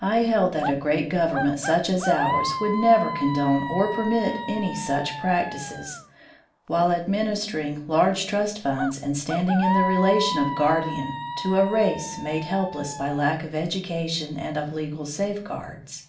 I held that a great government such as ours would never con done or permit any such practices, while administering large trust funds and standing in the relation of guardian to a race made helpless by lack of education and of legal safeguards.